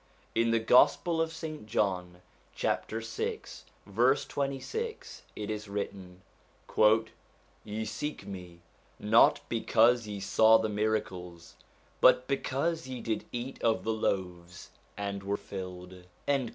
In the Gospel of St. John, chapter 6 verse 26, it is written :' Ye seek me, not because ye saw the miracles, but because ye did eat of the loaves and were filled.'